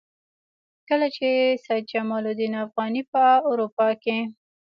کله چې سید جمال الدین افغاني په اروپا کې.